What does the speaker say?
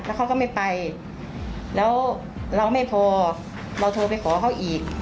เขาก็ไม่ไปแล้วเราไม่พอเราโทรไปขอเขาอีก